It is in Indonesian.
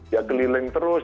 dia keliling terus